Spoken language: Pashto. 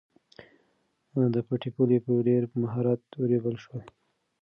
د پټي پوله په ډېر مهارت ورېبل شوه.